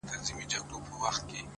• د هر وګړي سیوری نه وهي په توره ظالم,